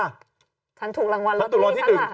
ฉันถูกรางวัลล็อตเตอรี่ทั้งหลัก